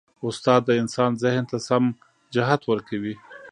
استاد د انسان ذهن ته سم جهت ورکوي.